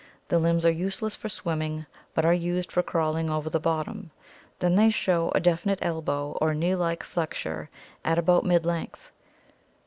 The limbs are useless for swimming but are used for crawling over the bottom. Then they show a definite elbow or knee like flexure at about mid length.